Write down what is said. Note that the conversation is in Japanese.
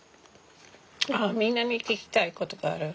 みんなに聞きたいことがある。